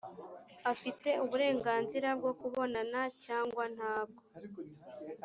afite uburenganzira bwo kubonana cyangwa ntabwo